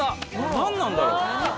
何なんだろう。